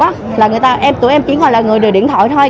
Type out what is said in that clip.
tụi em chỉ gọi là người đưa điện thoại thôi